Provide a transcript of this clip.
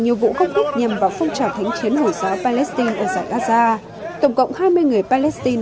nhiều vụ công quốc nhằm vào phong trào thánh chiến hồi giáo palestine ở giải gaza tổng cộng hai mươi người palestine